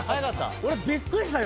俺びっくりしたよ。